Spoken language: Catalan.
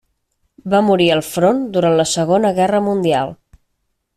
Va morir al front durant la Segona Guerra Mundial.